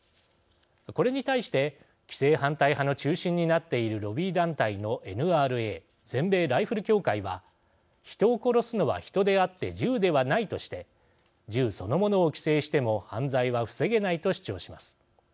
これに対して規制反対派の中心になっているロビー団体のＮＲＡ＝全米ライフル協会は人を殺すのは人であって銃ではないとして銃そのものを規制しても犯罪は防げないと主張します。